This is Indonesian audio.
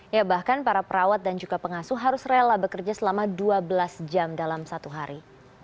ya bahkan para perawat dan juga pengasuh harus rela bekerja selama dua belas jam dalam satu hari